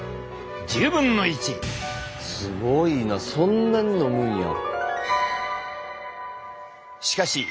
すごいなそんなに飲むんや。